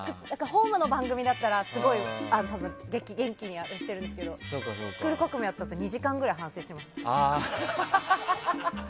ホームの番組だったら元気にやっているんですけど「スクール革命！」の時は終わってから２時間ぐらい反省してました。